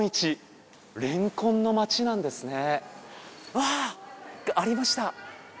あっ！ありました。